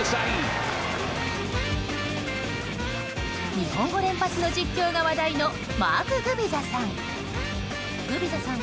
日本語連発の実況が話題のマーク・グビザさん。